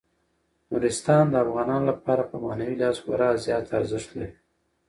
نورستان د افغانانو لپاره په معنوي لحاظ خورا زیات ارزښت لري.